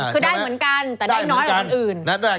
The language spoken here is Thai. คือได้เหมือนกันแต่ได้น้อยกว่าคนอื่น